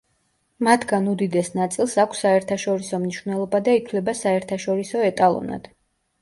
მათგან უდიდეს ნაწილს აქვს საერთაშორისო მნიშვნელობა და ითვლება საერთაშორისო ეტალონად.